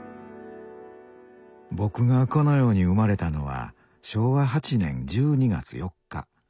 僕がこの世に生まれたのは昭和８年１２月４日。